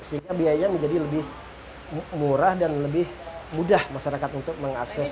sehingga biayanya menjadi lebih murah dan lebih mudah masyarakat untuk mengakses